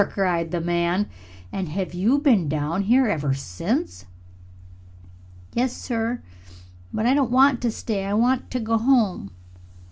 cried the man. "And have you been down here ever since?" "Yes, sir. But I don't want to stay I want to go home."